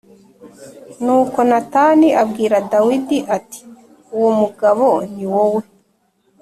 Nuko Natani abwira Dawidi ati uwo mugabo ni wowe